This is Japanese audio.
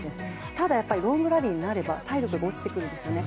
ただ、やっぱりロングラリーになれば体力が落ちてくるんですよね。